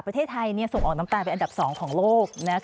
ประเทศไทยส่งออกน้ำตาลเป็นอันดับ๒ของโลก